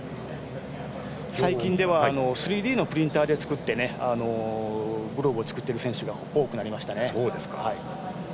最近では３Ｄのプリンターで作ってグローブを作っている選手が多くなりましたね。